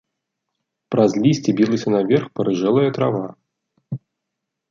Праз лісце білася наверх парыжэлая трава.